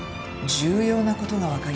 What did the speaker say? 重要な事がわかりました。